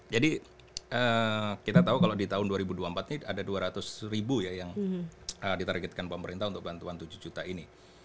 jadi kita tahu kalau di tahun dua ribu dua puluh empat ini ada dua ratus ribu ya yang ditargetkan pemerintah untuk bantuan tujuh juta ini